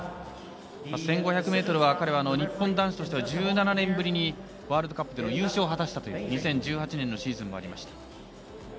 １５００ｍは日本男子としては１７年ぶりにワールドカップでの優勝を果たしたという２０１８年のシーズンもありました。